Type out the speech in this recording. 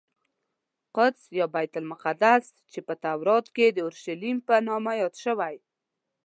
قدس یا بیت المقدس چې په تورات کې د اورشلیم په نامه یاد شوی.